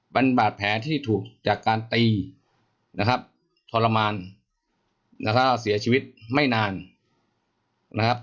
เป็นบาดแผลที่ถูกจากการตีนะครับทรมานนะครับเสียชีวิตไม่นานนะครับ